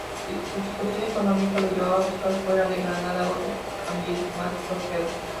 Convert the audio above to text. Su situación económica lo lleva a buscar fuera de Granada otro ambiente más próspero.